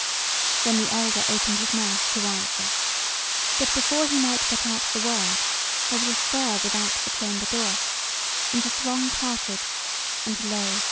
Then the elder opened his mouth to answer; but before he might get out the word, there was a stir without the chamber door, and the throng parted, and lo!